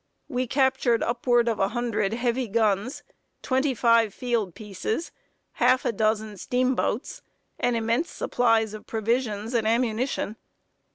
We captured upward of a hundred heavy guns, twenty five field pieces, half a dozen steamboats, and immense supplies of provisions and ammunition.